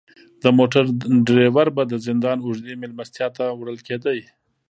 د موټر دریور به د زندان اوږدې میلمستیا ته وړل کیده.